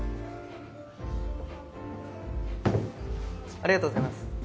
ありがとうございます。